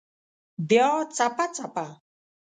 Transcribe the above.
بیا څپه، څپه